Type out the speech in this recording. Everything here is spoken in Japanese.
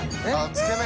つけ麺。